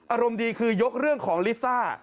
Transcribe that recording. อารมณ์ดีคือยกเรื่องของลิซ่า